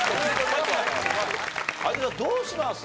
有田さんどうします？